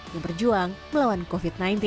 yang berjuang melawan covid sembilan belas